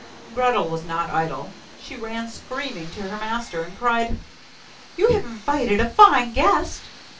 Gretel was not idle; she ran screaming to her master, and cried: 'You have invited a fine guest!